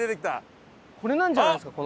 これなんじゃないですか？